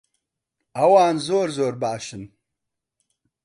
ئەوان زۆر زۆر باشن.